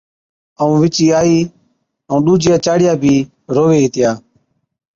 ائُون وِچِي آئِي ائُون ڏُوجِيا چاڙِيا بِي رووي ھِتيا